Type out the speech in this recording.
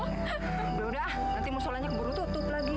udah udah nanti musolanya keburu tutup lagi